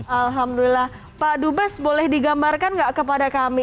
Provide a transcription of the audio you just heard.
alhamdulillah pak dubes boleh digambarkan nggak kepada kami